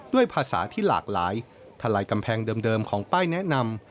ภาษาที่หลากหลายทะลายกำแพงเดิมของป้ายแนะนำ